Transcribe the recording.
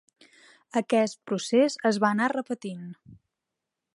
Aquest procés es va anar repetint.